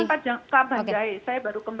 bukan tentang kabanjai saya baru kembali